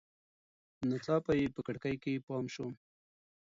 ناڅاپه یې په کړکۍ کې پام شو.